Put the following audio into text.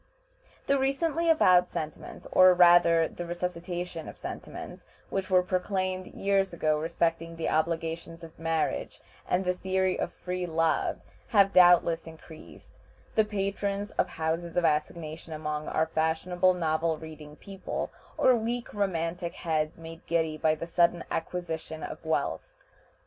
The recently avowed sentiments, or rather the resuscitation of sentiments which were proclaimed years ago respecting the obligations of marriage and the theory of "free love," have doubtless increased the patrons of houses of assignation among our fashionable novel reading people, or weak romantic heads made giddy by the sudden acquisition of wealth.